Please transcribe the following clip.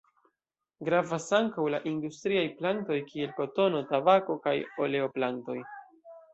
Gravas ankaŭ la industriaj plantoj kiel kotono, tabako kaj oleo-plantoj.